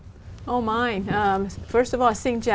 cho các bạn và các bạn ở canada